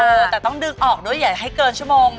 เออแต่ต้องดึงออกด้วยอย่าให้เกินชั่วโมงนะ